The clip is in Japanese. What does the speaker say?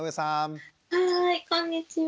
はいこんにちは。